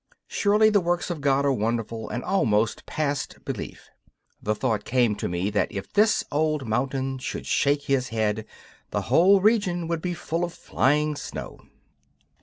surely the works of God are wonderful and almost past belief! The thought came to me that if this old mountain should shake his head the whole region would be full of flying snow.